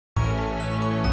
yaudah ya sebentar ya